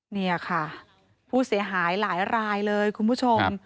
นี่ค่ะผู้เสียหายหลายรายเลยคุณผู้ชม